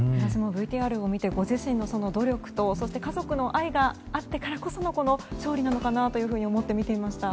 私もＶＴＲを見てご自身の努力とそして家族の愛があったからこその勝利なのかなと思って見ていました。